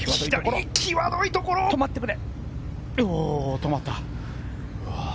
止まった。